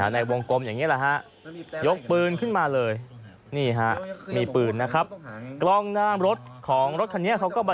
แต่เมื่อกี้อยากไป